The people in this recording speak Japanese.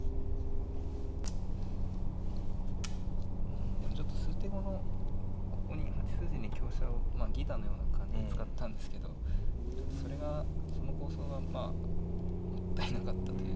うんでもちょっと数手後のここに８筋に香車をまあ犠打のような感じで使ったんですけどちょっとそれがその構想がまあもったいなかったというか。